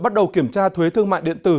bắt đầu kiểm tra thuế thương mại điện tử